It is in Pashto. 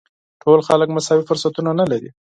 ټول خلک مساوي فرصتونه نه لري.